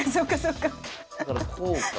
だからこうか。